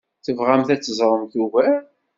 Tebɣamt ad teẓreḍ ugar?